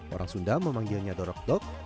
orang sunda memanggilnya dorok dok